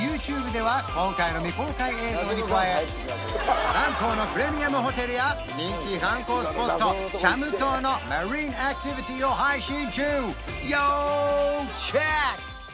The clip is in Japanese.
ＹｏｕＴｕｂｅでは今回の未公開映像に加えランコーのプレミアムホテルや人気観光スポットチャム島のマリンアクティビティを配信中要チェック！